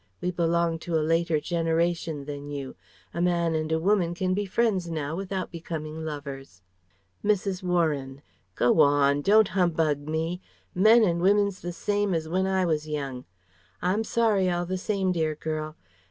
We belong to a later generation than you. A man and a woman can be friends now without becoming lovers." Mrs. Warren: "Go on! Don't humbug me. Men and women's the same as when I was young. I'm sorry, all the same, dear girl.